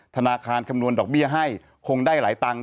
ธนาคารคำนวณดอกเบี้ยให้คงได้หลายตังค์